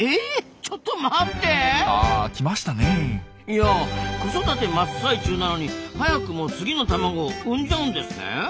いや子育て真っ最中なのに早くも次の卵を産んじゃうんですね。